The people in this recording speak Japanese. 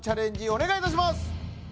お願いいたします